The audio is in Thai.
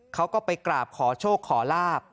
เขาก็ไปกราบขอโชคขอลาบ